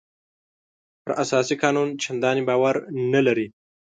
پر اساسي قانون چندانې باور نه لري.